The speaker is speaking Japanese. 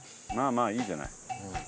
まあいいんじゃない。